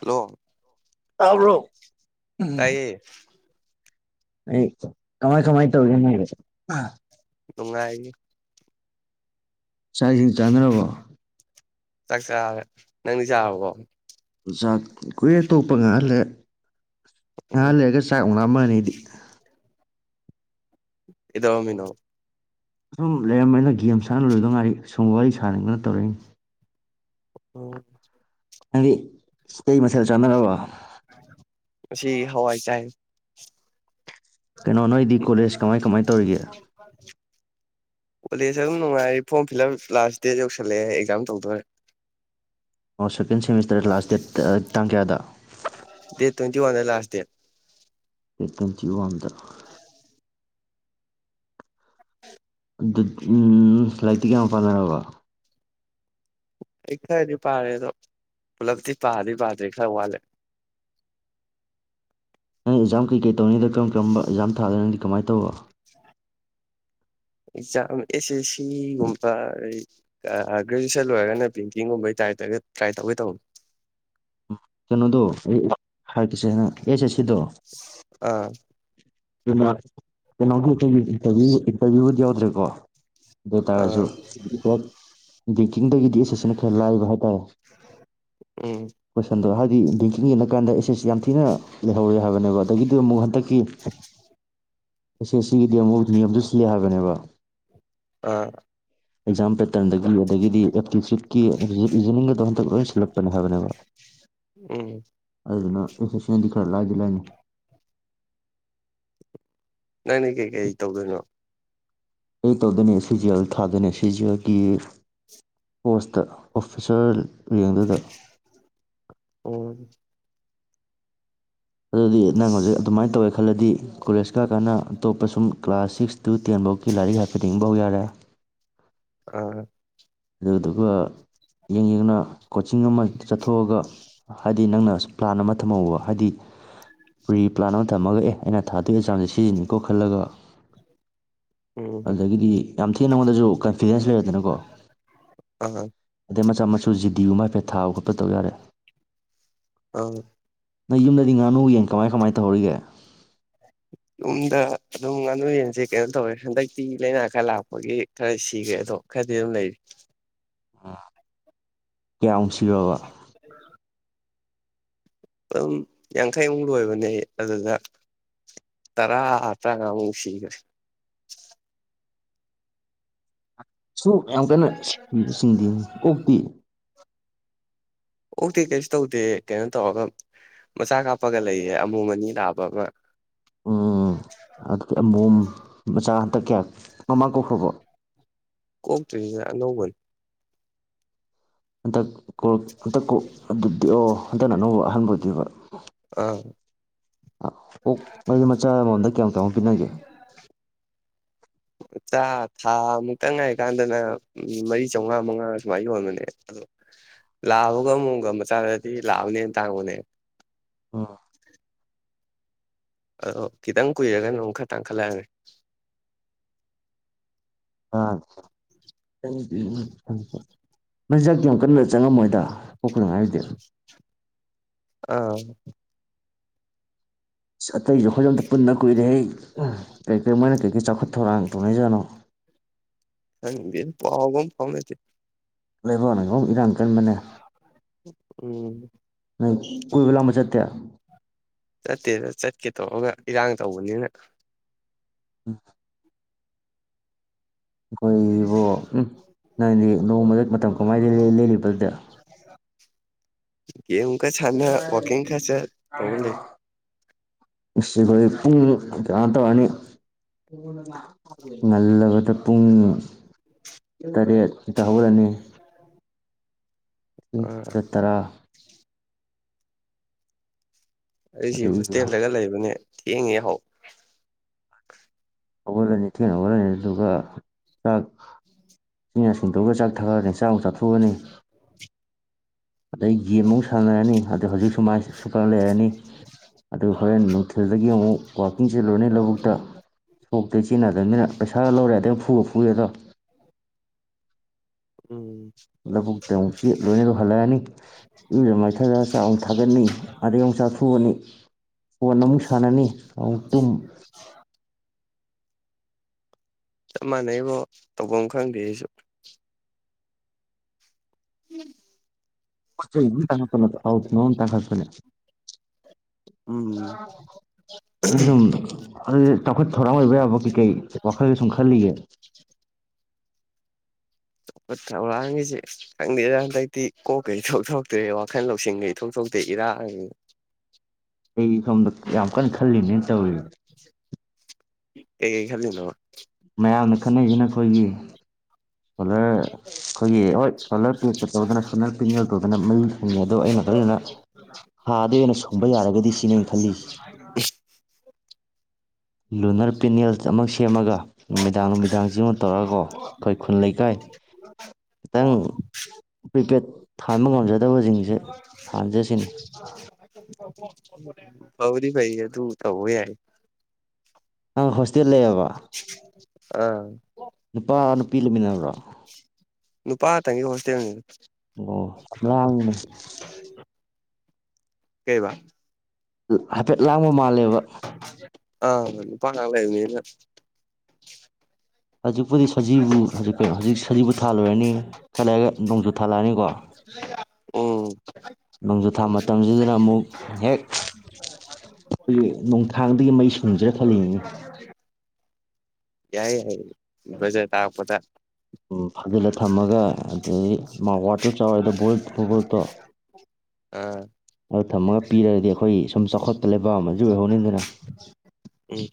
hello ꯇꯕꯔꯣ ꯇꯥꯏꯌꯦ ꯑꯩ ꯀꯃꯥꯏ ꯀꯃꯥꯏ ꯇꯧꯒꯦꯅꯦꯍꯦ ꯨꯅꯨꯡꯉꯥꯏꯔꯤ ꯆꯥꯛꯏꯁꯤꯡ ꯆꯥꯟꯅꯔꯕꯣ ꯆꯥꯛ ꯆꯥꯔꯦ ꯅꯪꯗꯤ ꯆꯥꯔꯕꯣ ꯖꯥꯛ ꯀꯨꯏꯔꯦ ꯇꯣꯛꯄ ꯉꯍꯥꯛꯂꯩ ꯉꯍꯥꯛ ꯎꯝ ꯂꯩꯒ ꯆꯥꯛ ꯃꯨꯛ ꯂꯥꯝꯃꯛꯑꯅꯤ ꯂꯩꯗꯤ ꯀꯩꯗꯧꯔꯃꯤꯅꯣ ꯁꯨꯝ ꯂꯩꯔꯝꯃꯦꯅꯤꯅ ꯒꯦꯝ ꯁꯥꯟꯅ ꯂꯣꯏꯗ ꯉꯥꯏꯔꯤ ꯁꯨꯝꯕ ꯋꯥꯔꯤ ꯁꯥꯟꯅꯅꯤꯡꯗꯅ ꯇꯧꯔꯛꯏꯅꯤ ꯑꯣ ꯍꯥꯏꯗꯤ ꯇꯩ ꯃꯁꯦꯜꯗ ꯆꯥꯟꯅꯔꯕ ꯉꯁꯤ ꯍꯋꯥꯏ ꯆꯥꯏ ꯀꯩꯅꯣ [unintelligible] ꯅꯣꯏꯗꯤ ꯀꯣꯂꯦꯖ ꯀꯃꯥꯏ ꯀꯃꯥꯏ ꯇꯧꯔꯤꯒꯦ [inaudible] ꯀꯣꯂꯦꯖ ꯑꯗꯨꯝ ꯅꯨꯡꯉꯥꯏꯔꯤ form fill up last day ꯌꯧꯁꯜꯂꯛꯑꯦ ꯑꯦꯛꯖꯥꯝ ꯇꯧꯗꯣꯔꯦ ꯑꯣ ꯁꯦꯀꯦꯟ ꯁꯦꯃꯤꯁꯇꯔ ꯂꯥꯁ ꯗꯦꯠ ꯇꯥ ꯇꯥꯡ ꯀꯌꯥꯗ ꯗꯦꯠ ꯇ꯭ꯋꯦꯟꯇꯤ ꯋꯥꯟꯗ ꯂꯥꯁ ꯗꯦꯠ ꯇꯋꯥꯟꯇꯤ ꯋꯥꯝꯗ [unintelligible] ꯑꯗꯨ ꯎꯝ ꯂꯥꯏꯔꯤꯛꯇꯤ ꯀꯌꯥꯝ ꯄꯥꯅꯔꯕ ꯑꯩ ꯈꯔꯗꯤ ꯄꯥꯔꯦ ꯑꯗꯣ ꯄꯨꯂꯞꯇꯤ ꯄꯥꯗꯤ ꯄꯥꯗ꯭ꯔꯦ ꯈꯔ ꯋꯥꯠꯂꯦ ꯑꯦꯛꯖꯝ ꯀꯩ ꯀꯩ ꯇꯧꯅꯤꯗ ꯀꯝ ꯀꯔꯝꯕ ꯑꯦꯛꯖꯥꯝ ꯊꯥꯒꯅꯤ ꯅꯪꯗꯤ ꯀꯃꯥꯏꯅ ꯑꯇꯣ ꯑꯦꯛꯖꯥꯝ ꯑꯦꯁ ꯑꯦꯁ ꯁꯤꯒꯨꯝꯕ ꯒ꯭ꯔꯦꯖꯨꯋꯦꯁꯟ ꯂꯣꯏꯔꯒꯅ ꯄꯦꯟꯇꯤꯡꯒꯨꯝꯕ ꯇ ꯇ꯭ꯔꯥꯏ ꯇꯧꯒꯦ ꯇꯧꯕꯅꯤ ꯗꯣ ꯍꯥꯏꯔ ꯀꯁꯦꯅ ꯑꯦꯁꯦ ꯁꯤꯗꯣ ꯑꯥ ꯀ ꯀꯩꯅꯣꯇꯚꯤꯨ ꯏꯟꯇꯔꯚꯤꯌꯨꯕꯨꯗꯤ ꯌꯥꯎꯗ꯭ꯔꯦꯀꯣ ꯑꯗꯨ ꯇꯥꯔꯁꯨ ꯑꯥ ꯀꯤ ꯆꯤꯡꯗꯒꯤꯗꯤ ꯑꯦꯁ ꯑꯦꯁꯁꯤꯅ ꯈꯔ ꯂꯥꯏꯕ ꯍꯥꯏꯇꯥꯔꯦ ꯎꯝ ꯍ ꯑꯗꯣ ꯍꯥꯏꯗꯤ ꯕꯦꯡꯀꯤꯡ ꯌꯦꯡꯅ ꯀꯥꯟꯗ ꯑꯦꯁꯦꯁ ꯌꯥꯝ ꯊꯤꯅ ꯂꯩꯍꯧꯋꯦ ꯍꯥꯏꯕꯅꯦꯕ ꯑꯗꯒꯤꯗꯤ ꯑꯃꯨꯛ ꯍꯟꯗꯛꯀꯤ ꯑ ꯁꯤꯒꯤꯗꯤ ꯑꯃꯨꯛ ꯅꯤꯌꯝꯗꯨ ꯁꯤꯜꯂꯦ ꯍꯥꯏꯕꯅꯦꯕ ꯑꯥ ꯑꯦꯖꯥꯄꯦꯠ ꯇꯟꯗꯒꯤ ꯑꯗꯒꯤꯗꯤ ꯑꯦꯞꯇꯤꯆꯠ ꯖꯅꯤꯡ ꯑꯣ ꯍꯟꯇꯛ ꯂꯣꯏ ꯁꯤꯜꯂꯛꯄꯅꯦ ꯍꯥꯏꯕꯅꯦꯕ ꯎꯝ ꯑꯗꯨꯗꯨꯅ ꯑ ꯁꯁꯤꯗꯤ ꯈꯔ ꯂꯥꯗ ꯂꯥꯅꯤ ꯅꯪꯅꯦ ꯀꯩꯀꯩ ꯇꯧꯗꯣꯏꯅꯣ ꯑꯩ ꯇꯧꯗꯅꯤ ꯁꯤꯖꯤꯜ ꯊꯥꯗꯅꯤ ꯁꯤꯖꯤꯦꯜꯒꯤ ꯄꯣꯁꯇ ꯑꯣꯐꯤꯁꯥꯔ ꯌꯦꯡꯗꯨꯗ ꯎꯝ ꯑꯗꯨꯗꯤ ꯅꯪ ꯍꯧꯖꯤꯛ ꯑꯗꯨꯃꯥꯏꯅ ꯇꯧꯋꯦ ꯈꯜꯂꯗꯤ ꯀꯣꯂꯦꯖ ꯀꯥꯀꯅ ꯑꯇꯣꯞꯄ ꯁꯨꯝ ꯀ꯭ꯂꯥꯁ ꯁꯤꯛꯁ ꯇꯨ ꯇꯦꯟꯐꯧꯒꯤ ꯂꯥꯏꯔꯤꯛ ꯍꯥꯏꯐꯦꯠꯡ ꯐꯥꯎ ꯌꯥꯔꯦ ꯑꯥ ꯑꯗꯨꯗꯨꯒ ꯌꯦꯡ ꯌꯦꯡꯅ ꯀꯣꯆꯤꯡ ꯑꯃ ꯆꯠꯊꯣꯛꯑꯒ ꯍꯥꯏꯗꯤ ꯅꯪꯅ ꯑ ꯄ꯭ꯂꯥꯟ ꯑꯃ ꯊꯝꯍꯧꯕ ꯍꯥꯏꯗꯤ ꯐ꯭ꯔꯤ ꯄ꯭ꯂꯥꯟ ꯑꯃ ꯊꯝꯃꯒ ꯑꯦ ꯑꯩꯅ ꯊꯥꯗꯣꯏꯒꯤ ꯆꯥꯡꯁꯦ ꯁꯤꯟꯅꯩ ꯀꯣꯛꯍꯠꯂꯒ ꯎꯝ ꯑꯗꯨꯗꯒꯤꯗꯤ ꯌꯥꯝ ꯊꯤꯅ ꯅꯉꯣꯟꯗꯁꯨ ꯀꯟꯐꯤꯗꯦꯟꯁ ꯂꯩꯔꯗꯅꯀꯣ ꯑꯥ ꯃ ꯆꯝꯆꯁꯨꯁꯤꯖꯤꯗꯌ ꯍꯥꯏꯐꯦꯠ ꯊꯥꯕ ꯈꯣꯠꯄ ꯇꯧ ꯌꯥꯔꯦ ꯑ ꯅꯪ ꯌꯨꯝꯗꯗꯤ ꯉꯥꯅꯨ ꯌꯦꯡ ꯀꯃꯥꯏ ꯀꯃꯥꯏꯅ ꯇꯧꯍꯔꯤꯒꯦ ꯌꯨꯝꯗ ꯑꯗꯨꯝ ꯉꯥꯅꯨ ꯌꯦꯟꯁꯦ ꯀꯩꯅꯣ ꯇꯧꯋꯦ ꯍꯟꯗꯛꯇꯤ ꯂꯥꯏꯅꯥ ꯈꯔ ꯂꯥꯛꯄꯒꯤ ꯈꯔ ꯁꯤꯈ꯭ꯔꯦ ꯑꯗꯣ ꯈꯔꯗꯤ ꯑꯗꯨꯝ ꯂꯩꯔꯤ ꯑ [inaudible] ꯑꯗꯨꯝ ꯌꯥꯡꯈꯩꯃꯨꯛ ꯂꯣꯏꯕꯅꯦ ꯑꯗꯨꯗ ꯇꯔꯥ ꯇꯔꯥꯉꯥꯃꯨꯛ ꯁꯤꯈ꯭ꯔꯦ ꯁ ꯌꯥꯝ ꯀꯟꯅ ꯁꯤꯕꯁꯤꯡꯗꯤꯅꯤ ꯑꯣꯣꯛꯄꯤꯤ ꯑꯣꯇꯦ ꯀꯩꯁꯨ ꯇꯧꯗꯦ ꯀꯩꯅꯣ ꯇꯧꯔꯒ ꯃꯆꯥ ꯀꯥꯞꯄꯒ ꯂꯩꯌꯦ ꯑꯃꯨ ꯑꯅꯤ ꯇꯥꯕ ꯑꯃ ꯎꯝ ꯀꯌꯥ ꯃꯃꯥꯡ ꯀꯣꯛꯈꯔ꯭ꯕꯣ ꯀꯣꯛꯇ꯭ꯔꯤꯗ ꯑꯅꯧꯕꯅꯤ ꯍꯟꯗꯛ ꯀꯣꯜ ꯀꯛꯊꯠꯀꯣ ꯑꯗꯨꯗꯤ ꯑꯣ ꯍꯟꯇꯛꯅ ꯑꯅꯧꯕ ꯑꯍꯥꯟꯕ ꯑꯗꯨꯅꯦꯕ ꯑꯥ ꯑꯣ ꯃꯔꯨꯝ ꯃꯆꯥ ꯑꯃꯝ ꯃꯝꯗ ꯀꯌꯥ ꯀꯌꯥꯃꯨꯛ ꯄꯤꯅꯒꯦ ꯊꯥ ꯊꯥ ꯃꯨꯛꯇꯪ ꯉꯥꯏꯔꯤꯀꯥꯟꯗ ꯃꯔꯤ ꯆꯧꯉꯥ ꯃꯉꯥ ꯁꯨꯃꯥꯏꯅ ꯌꯣꯟꯕꯅꯦ ꯑꯗꯣ ꯂꯥꯕꯒ ꯑꯃꯣꯝꯒ ꯃꯆꯥꯗꯗꯤ ꯂꯥꯕꯅ ꯍꯦꯟꯅ ꯇꯥꯡꯕꯅꯦ ꯎꯝ ꯑꯗꯣ ꯈꯤꯇꯪ ꯀꯨꯏꯔꯒꯅ ꯑꯃꯨꯛ ꯈꯔ ꯇꯥꯡꯈꯠꯂꯛꯑꯅꯤ [unintelligible] ꯑꯩ ꯅꯨꯄꯤ [inaudible] ꯃꯆꯤꯟꯖꯥꯛ ꯌꯥꯝ ꯀꯟꯅ ꯆꯪꯉꯝꯃꯣꯏꯗ ꯑꯣꯛꯀꯅꯨ ꯍꯥꯏꯗꯦ [unintelligible] ꯑꯁ ꯑꯇꯩꯁꯨ ꯑꯩꯈꯣꯏꯒ ꯑꯝꯇ ꯄꯨꯟꯗ ꯀꯨꯏꯔꯦꯍꯦ ꯀꯩꯀꯩ ꯃꯣꯏꯅ ꯀꯩꯀꯩ ꯆꯥꯎꯈꯠ ꯊꯧꯔꯥꯡ ꯇꯧꯅꯩꯖꯥꯠꯅꯣ ꯈꯪꯗꯦꯗ ꯄꯥꯎꯒ ꯑꯝ ꯐꯥꯎꯅꯗꯦ ꯂꯩꯕꯥꯛꯅꯒ ꯃꯔꯣꯟ ꯑꯝ ꯏꯔꯥꯡ ꯀꯟꯕꯅꯦ ꯎꯝ ꯅꯪ ꯀꯣꯏꯕ ꯂꯥꯡꯕ ꯆꯠꯇꯦ ꯆꯠꯇꯦꯗ ꯆꯠꯀꯦ ꯇꯧꯔꯒ ꯏꯔꯥꯡ ꯇꯧꯕꯅꯤꯅ ꯎꯝ ꯑꯩꯈꯣꯏꯕꯨ ꯎꯝ ꯅꯪꯗꯤ ꯅꯣꯡꯃꯗ ꯃꯇꯝ ꯀꯃꯥꯏꯅ ꯂꯦꯜꯂꯤꯕ ꯑꯗꯨꯗꯤ [inaudible] ꯒꯦꯝ ꯈꯔ ꯁꯥꯅ ꯋꯥꯀꯤꯡ ꯈꯔ ꯆꯠ ꯇꯧꯔ ꯂꯩ ꯑꯁ ꯑꯩꯈꯣꯏ ꯄꯨꯡ ꯀꯅꯣ ꯇꯧꯔꯅꯤ ꯉꯜꯂꯕꯗ ꯄꯨꯡ ꯇꯔꯦꯠ ꯈꯤꯇ ꯍꯧꯔꯅꯤ ꯎꯝ ꯑꯥ ꯈꯔ ꯇꯔꯥ ꯑꯩꯁꯤ ꯑꯗꯒꯤ ꯍꯣꯁꯇꯦꯜꯗꯒ ꯂꯩꯕꯅꯦ ꯊꯦꯡꯉꯦ ꯌꯥꯍꯧ ꯍꯧꯒꯠꯂꯅꯤ ꯊꯦꯡꯅ ꯍꯧꯒꯠꯂꯅꯤ ꯑꯗꯨꯒ ꯆꯥꯛ ꯆꯤꯟ ꯌꯥ ꯁꯦꯡꯗꯣꯛꯑꯒ ꯆꯥꯛ ꯊꯥꯒꯠꯂꯅꯤ ꯆꯥꯛ ꯑꯃꯨꯛ ꯆꯥꯊꯣꯛꯑꯅꯤ ꯑꯗꯩ ꯒꯦꯝ ꯑꯃꯨꯛ ꯁꯥꯟꯅꯔꯅꯤ ꯍꯧꯖꯤꯛ ꯁꯨꯨꯃꯥꯏ ꯁꯨꯞꯄ ꯂꯩꯔꯅꯤ ꯑꯗꯨ ꯍꯣꯔꯦꯟ ꯅꯨꯡꯊꯤꯜꯗꯒꯤ ꯑꯃꯨꯛ ꯋꯥꯛꯀꯤꯡ ꯆꯦꯜꯂꯨꯔꯅꯤ ꯂꯧꯕꯨꯛꯇ ꯁꯣꯛꯇ ꯁꯤꯖꯤꯟꯗꯕꯅꯤꯅ ꯄꯩꯁꯥꯒ ꯂꯧ ꯌꯥꯗꯦ ꯐꯨꯒ ꯐꯨꯔꯦꯗꯣ ꯎꯝ ꯂꯧꯕꯨꯛꯇ ꯑꯃꯨꯛ ꯆꯠꯂꯨꯔꯅꯤ ꯑꯗꯨꯒ ꯍꯜꯂꯛꯑꯅꯤ ꯏꯨꯔꯨꯖ ꯃꯥꯏꯊꯖꯔ ꯆꯥꯛ ꯑꯃꯨꯛ ꯊꯥꯒꯠꯅꯤ ꯑꯗꯩ ꯑꯃꯨꯛ ꯆꯥꯛꯊꯣꯛꯑꯅꯤ ꯐꯣꯟ ꯑꯃꯨꯛ ꯁꯥꯟꯅꯅꯤ ꯑꯃꯨꯛ ꯇꯨꯝ [inaudible] ꯆꯞ ꯃꯥꯟꯅꯩꯕꯣ ꯇꯚꯝ ꯈꯪꯗꯦ ꯑꯩꯁꯨ [inaudible] ꯇꯪꯂ ꯅ ꯇꯪ [unintelligible] ꯎꯝ [inaudible] ꯑꯗꯨꯗꯤ ꯆꯥꯎꯈꯠ ꯊꯧꯔꯥꯡ ꯑꯣꯏꯕ ꯌꯥꯕ ꯀꯩꯀꯩ ꯋꯥꯈꯜꯗ ꯁꯨꯝ ꯈꯜꯂꯤꯒꯦ [inaudible] ꯆꯥꯎꯈꯠ ꯊꯧꯔꯥꯡꯒꯤꯁꯦ ꯈꯪꯗꯦꯗ ꯍꯟꯗꯛꯇꯤ ꯀꯣꯛꯀ ꯢꯊꯣꯛ ꯊꯣꯛꯇꯦ ꯋꯥꯈꯜ ꯂꯧꯁꯤꯡꯒ ꯢꯊꯣꯛ ꯊꯣꯛꯇꯦ ꯏꯔꯥꯛ ꯑꯩꯗꯤ ꯁꯣꯝꯗ ꯌꯥꯝ ꯀꯟꯅ ꯈꯜꯂꯤꯅꯤꯅꯦ ꯇꯧꯔꯤꯕꯁꯦ ꯀꯩ ꯀꯩ ꯈꯜꯂꯤꯅꯣ ꯃꯌꯥꯝꯅ ꯈꯟꯅꯩꯁꯤꯅ ꯑꯩꯈꯣꯏꯒꯤ ꯁꯣꯂꯔ ꯑꯩꯈꯣꯏꯒꯤ ꯍꯣꯏ ꯁꯣꯂꯔ ꯄ꯭ꯂꯦꯠꯀ ꯇꯧꯗꯅ ꯁꯣꯂꯔ ꯄꯦꯅꯦꯜ ꯇꯧꯗꯅ ꯃꯩ ꯐꯪꯉꯦ ꯑꯗꯣ ꯑꯩꯅ ꯈꯜꯂꯤꯅ ꯊꯥꯗ ꯑꯣꯏꯅ ꯁꯨꯡꯕ ꯌꯥꯔꯒꯗꯤ ꯁꯤꯅꯦ ꯑꯩꯅ ꯈꯜꯂꯤꯁꯦ [inaudible] ꯂꯨꯅꯔ ꯄꯦꯅꯦꯜ ꯑꯃ ꯁꯦꯝꯃꯒ ꯅꯨꯃꯤꯗꯥꯡ ꯅꯨꯃꯤꯗꯥꯡꯁꯤꯃ ꯇꯧꯔꯒꯀꯣ ꯑꯩꯈꯣꯏ ꯂꯩꯀꯥꯏ ꯈꯤꯇꯪ ꯄ꯭ꯔꯤꯄꯦꯗ ꯊꯥꯟꯕ ꯉꯝꯖꯗꯕꯁꯤꯡꯁꯦ ꯊꯥꯟꯁꯤꯔꯥ ꯁꯤꯅꯤ ꯐꯕꯨꯗꯤ ꯐꯩꯌꯦ ꯑꯗꯨ ꯇꯧꯕ ꯌꯥꯏ ꯅꯪ ꯍꯣꯁꯇꯦꯜ ꯂꯩꯔꯕꯣ [inaudible] ꯅꯨꯄꯥ ꯅꯨꯄꯤ ꯂꯩꯃꯤꯟꯅꯕ꯭ꯔꯣ ꯅꯨꯄꯥ ꯇꯪꯒꯤ ꯍꯣꯁꯇꯦꯜꯅꯤꯗ ꯑꯣ ꯂꯥꯡꯉꯤꯅꯦ ꯀꯩꯕꯥ ꯍꯥꯏꯐꯦꯠ ꯂꯥꯡꯕ ꯃꯥꯜꯂꯦꯕ ꯑ ꯅꯨꯄꯥ ꯉꯥꯛ ꯂꯩꯕꯅꯤꯅ ꯍꯧꯖꯤꯛꯄꯨꯗꯤ ꯁꯖꯤꯕꯨ ꯍꯧꯖꯤꯛ ꯀꯩꯅꯣ ꯍꯧꯖꯤꯛ ꯁꯖꯤꯕꯨ ꯊꯥ ꯂꯣꯏꯔꯅꯤ ꯈꯔ ꯂꯩꯔꯒ ꯅꯣꯡꯖꯨ ꯊꯥ ꯂꯥꯛꯑꯅꯤꯀꯣ ꯎꯝ ꯅꯣꯡꯖꯨꯊꯥ ꯃꯇꯝꯁꯤꯗꯅ ꯑꯃꯨꯛ ꯍꯦꯛ ꯑꯩꯈꯣꯏꯒꯤ ꯅꯣꯡꯊꯥꯡꯗꯒꯤ ꯃꯩ ꯁꯨꯡꯁꯤꯔꯥ ꯈꯜꯂꯤꯅꯤꯅꯦ ꯌꯥꯏ ꯌꯥꯏ ꯕ꯭ꯔꯖꯥ ꯇꯥꯔꯛꯄꯗ ꯎꯝ ꯐꯥꯖꯤꯜꯂ ꯊꯝꯃꯒ ꯑꯗꯨꯗꯒꯤ ꯃꯥ ꯋꯥꯠꯇꯨ ꯆꯥꯎꯔꯦꯗꯣ ꯚꯣꯜꯇ ꯚꯣꯜꯇꯇꯣ [inaudible] ꯑꯗꯨ ꯊꯝꯃꯒ ꯄꯤꯔꯗꯤ ꯑꯩꯈꯣꯏ ꯁꯨꯝ ꯆꯥꯎꯈꯠꯄ ꯂꯩꯕꯥꯛ ꯑꯃꯁꯨ ꯑꯣꯏꯍꯧꯅꯤꯗꯅ ꯎꯝ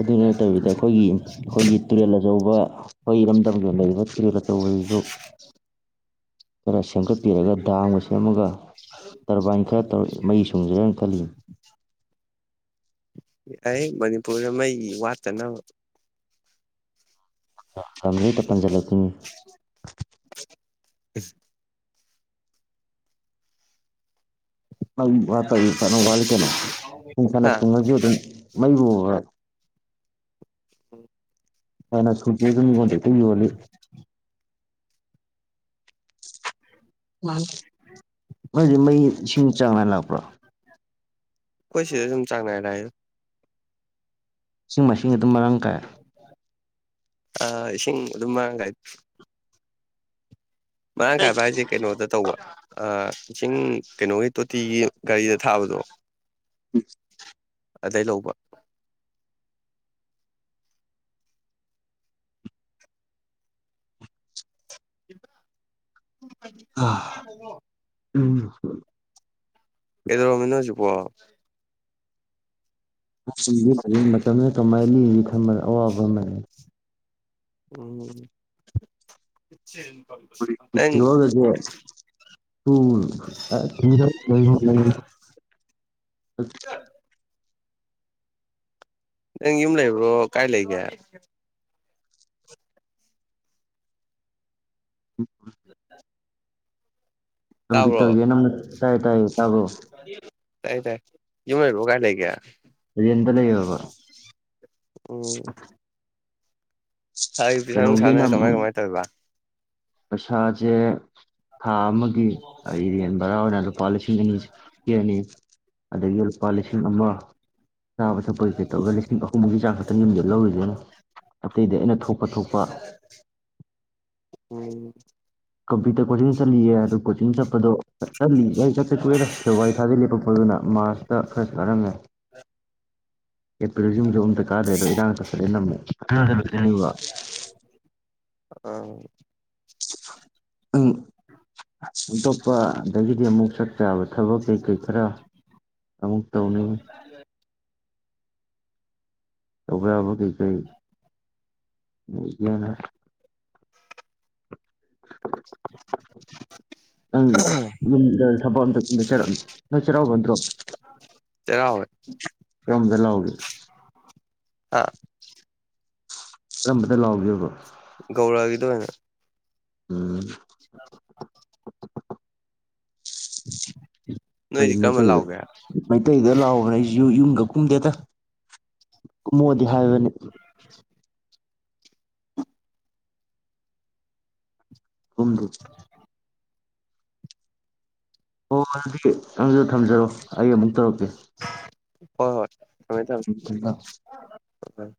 ꯑꯗꯨ ꯅꯠꯇꯕꯤꯗ ꯑꯩꯈꯣꯏꯒꯤ ꯑꯩꯈꯣꯏꯒꯤ ꯇꯨꯔꯦꯜ ꯑꯆꯧꯕ ꯑꯩꯈꯣꯏ ꯏꯔꯝꯗꯝꯒꯤ ꯂꯩꯔꯤꯕ ꯐꯤꯔꯦ ꯑꯆꯧꯕꯁꯤꯁꯨ ꯈꯔ ꯁꯦꯝꯒꯠꯄꯤꯔꯒ ꯗꯥꯝꯒ ꯁꯦꯝꯃꯒ ꯇꯔꯕꯥꯏꯟ ꯈꯔ ꯇꯧꯔ ꯃꯩ ꯁꯨꯡꯖꯔꯦꯅ ꯈꯜꯂꯤ ꯑꯩ ꯃꯅꯤꯄꯨꯔꯗ ꯃꯩ ꯋꯥꯠꯇꯅꯕ ꯖꯩꯛꯇ ꯄꯟꯁꯤꯜꯂꯛꯀꯅꯤ ꯎꯝ ꯃꯩ ꯋꯥꯠꯄ ꯐꯅ ꯋꯥꯠꯂꯤ ꯀꯩꯅꯣ ꯁꯨꯡ ꯀꯅ ꯍꯥ ꯊꯨꯡꯉꯁꯨ ꯑꯗꯨꯝ ꯃꯩꯕꯨ ꯍꯣꯏ ꯎꯝ ꯀꯅ ꯁ ꯈꯨꯇ ꯑꯗꯨꯝ ꯀꯦ ꯇ ꯌ ꯋꯥꯔꯤꯜꯂꯤ ꯃꯣꯏꯗꯤ ꯃꯩ ꯏꯁꯤꯡ ꯆꯥꯝꯃꯉ ꯂꯥꯛꯄ꯭ꯔꯥ ꯆꯥꯡꯅꯥꯏ ꯂꯥꯛꯏꯗ ꯏꯁꯤꯡ ꯃꯥꯏꯁꯤꯡ ꯑꯗꯨꯝ ꯃꯔꯥꯡ ꯀꯥꯏ ꯑ ꯏꯁꯤꯡ ꯑꯗꯨꯝ ꯃꯥꯡꯒꯥꯏ ꯃꯔꯥꯡ ꯀꯥꯏꯕ ꯍꯥꯏꯁꯦ ꯀꯩꯅꯣꯗ ꯇꯧꯕ ꯑ ꯏꯁꯤꯡ ꯀꯩꯅꯣꯒꯤ ꯇꯣꯇꯤꯒꯤ ꯒꯥꯔꯤꯗ ꯊꯥꯕꯗꯣ ꯎ ꯑꯗꯩ ꯂꯧꯕ ꯏꯄꯥ ꯎꯣ [unintelligible] ꯑ ꯍ ꯑꯦꯗꯔꯣꯃꯤꯟꯅꯣꯖꯤ ꯄꯣ [unintelligible] ꯀꯃꯥꯏ ꯊ [unintelligible] ꯑꯋꯥꯕ ꯑꯃꯅꯤ ꯎꯝ ꯅꯪ ꯒ ꯅꯪ ꯌꯨꯝ ꯂꯩꯕ꯭ꯔꯣ ꯀꯥꯏ ꯂꯩꯒꯦ ꯎ ꯇꯥꯕ꯭ꯔꯣ ꯀꯝꯄ꯭ꯇꯔꯒ ꯅ ꯃ ꯇꯥꯏ ꯇꯥꯏ ꯇꯒꯣ ꯇꯥꯏ ꯇꯥꯏ ꯌꯃꯕꯣꯒꯥꯏ ꯂꯩ ꯂꯩ ꯀ ꯑꯗꯨ ꯌꯦꯟ ꯂꯩ ꯌꯕ ꯎꯝ ꯍꯥꯏ ꯄꯁꯥ ꯅꯨꯡꯁꯥꯟꯅꯔ ꯀꯃꯥꯏ ꯀꯃꯥꯏꯅ ꯇꯧꯔꯤꯕ ꯄꯁꯥꯖꯦ ꯊꯥ ꯑꯃꯒꯤ ꯑꯩꯔꯟ ꯕꯔꯥ ꯑꯣꯏꯅ ꯂꯨꯄꯥ ꯂꯤꯁꯤꯡ ꯑꯅꯤ ꯁ ꯄ ꯑꯅꯤ ꯑꯗꯒꯤ ꯂꯨꯄꯥ ꯂꯤꯁꯤꯡ ꯑꯃ ꯆꯥꯕ ꯊꯛꯄꯒꯤ ꯀꯩ ꯇꯧꯔꯒ ꯂꯤꯁꯤꯡ ꯑꯍꯨꯝꯒꯤ ꯆꯥꯡ ꯈꯛꯇꯪ ꯌꯨꯝꯖꯜ ꯂꯧꯔꯤꯁꯤꯅ ꯑꯇꯩꯗꯤ ꯑꯩꯅ ꯊꯣꯛꯄ ꯊꯣꯛꯄ ꯎꯝ ꯀꯝꯄ꯭ꯌꯨꯇꯔ ꯀꯣꯆꯤꯡ ꯆꯠꯂꯤꯌꯦ ꯑꯗꯣ ꯀꯣꯆꯤꯡ ꯆꯠꯄꯗꯣ ꯆꯠꯂꯤ ꯑꯩ ꯆꯠꯇ ꯀꯨꯏꯔꯦꯗ ꯗꯦꯕꯥꯋꯔꯤ ꯂꯦꯄꯛꯄꯗꯨꯅ ꯃꯥꯔꯁꯇ ꯈꯔꯁꯨ ꯀꯥꯔꯝꯃꯦ ꯑꯦꯄꯔ꯭ꯤꯜꯁꯤꯡꯁꯨ ꯑꯝꯇ ꯀꯥꯗꯦ ꯑꯗꯣ ꯏꯔꯥꯡ ꯇꯧꯁꯜ ꯂꯦꯅ ꯑꯃꯨꯛ [unintelligible] ꯑꯥ ꯑꯇꯣꯞꯄ ꯑꯗꯒꯤꯗꯤ ꯑꯃꯨꯛ ꯆꯠ ꯌꯥꯕ ꯊꯕꯛ ꯀꯩꯀꯩ ꯈꯔ ꯑꯃꯨꯛ ꯇꯧꯅꯤꯡꯉꯤ ꯇꯧꯕ ꯌꯥꯕꯥꯀꯩ ꯀꯩ [unintelligible] ꯅꯪ ꯌꯨꯝꯗ ꯊꯕꯛ ꯑꯠꯇ [unintelligible] ꯅꯣꯏ ꯆꯩꯔꯥꯎꯕ ꯅꯠꯇ꯭ꯔꯣ ꯆꯩꯔꯥꯎꯋꯦ ꯀꯔꯝꯗ ꯂꯥꯎꯒꯦ ꯑꯥ ꯀꯔꯝꯕꯗ ꯂꯥꯎꯒꯦꯕ [unintelligible] ꯎꯝ [inaudible] [inaudible] ꯑꯩꯈꯣꯏ ꯀꯔꯝꯕ ꯃꯩꯇꯩꯗ ꯂꯥꯎꯒꯦ ꯃꯩꯇꯩꯗ ꯂꯥꯎꯕꯅꯦ ꯑꯩꯁꯨ ꯌꯨꯝꯒ ꯀꯨꯝꯗꯦꯗ ꯀꯨꯝꯃꯑꯣꯗꯤ ꯎꯝ ꯍꯥꯏꯕꯅꯤ ꯀꯨꯝꯗꯦ [unintelligible] ꯅꯪꯖꯨ ꯊꯝꯖꯔꯣ ꯑꯩ ꯑꯃꯨꯛ ꯇꯧꯔꯛꯀꯦ ꯍꯣꯏ ꯍꯣꯏ ꯊꯝꯃꯦ ꯊꯝꯃꯦ [unintelligible]